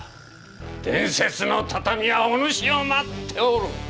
伝説の畳はおぬしを待っておる。